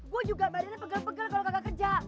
gue juga badannya pegal pegal kalo kagak kerja